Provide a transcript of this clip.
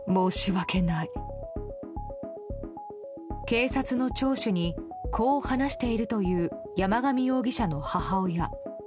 警察の聴取にこう話しているという山上容疑者の母親。